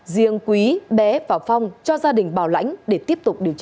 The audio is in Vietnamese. riêng quý bé và phong cho gia đình bảo lãnh để tiếp tục điều tra